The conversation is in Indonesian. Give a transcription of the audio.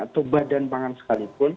atau badan pangan sekalipun